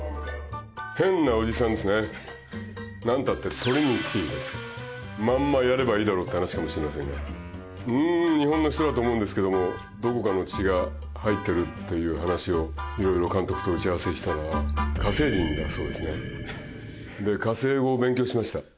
なんたってトリニティですからまんまやればいいだろうって話かもしれませんがうん日本の人だと思うんですけどもどこかの血が入ってるっていう話をいろいろ監督と打ち合わせしたらだそうですねで火星語を勉強しました